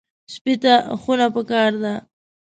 سپي ته خونه پکار ده.